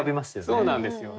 そうなんですよ。